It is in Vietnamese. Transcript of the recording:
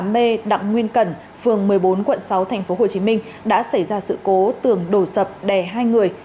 hai mươi tám b đặng nguyên cẩn phường một mươi bốn quận sáu tp hcm đã xảy ra sự cố tường đổ sập đè hai người